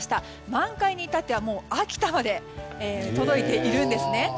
満開に至っては、もう秋田まで届いているんですね。